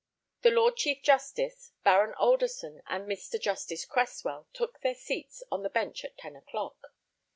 The Lord Chief Justice, Baron Alderson, and Mr. Justice Cresswell, took their seats on the bench at ten o'clock.